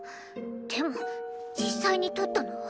でも実際に取ったのは。